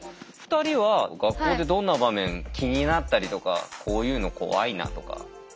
２人は学校でどんな場面気になったりとかこういうの怖いなとか。